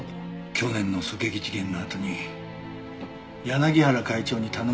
去年の狙撃事件のあとに柳原会長に頼まれたんです。